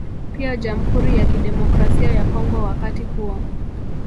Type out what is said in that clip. Pia Jamhuri ya Kidemokrasia ya Kongo wakati huo